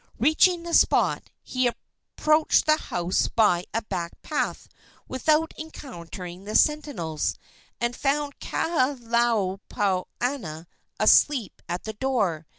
Reaching the spot, he approached the house by a back path without encountering the sentinels, and found Kahalaomapuana asleep at the door.